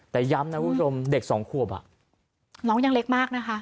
แต่ย้ำนะคุณผู้ชมเด็กสองขวบอ่ะน้องยังเล็กมากนะคะ